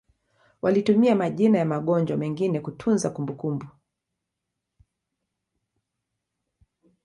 walitumia majina ya magonjwa mengine kutunza kumbukumbu